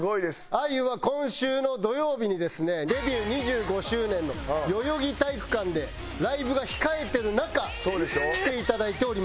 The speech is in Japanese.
あゆは今週の土曜日にですねデビュー２５周年の代々木体育館でライブが控えてる中来ていただいております。